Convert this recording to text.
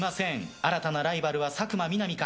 新たなライバルは佐久間みなみか。